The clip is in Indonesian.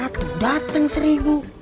satu dateng seribu